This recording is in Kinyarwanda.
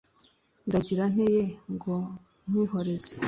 ndagira nte yeee, ngo nkwihoreze